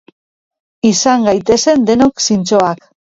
Izan gaitezen denok zintzoak.